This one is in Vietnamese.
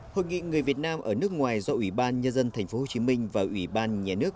hội nghị người việt nam ở nước ngoài do ủy ban nhân dân tp hcm và ủy ban nhà nước